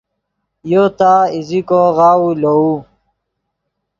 یو تا ایزیکو غاؤو لووے